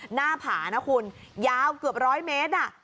หน้าผานะคุณยาวเกือบร้อยเมตร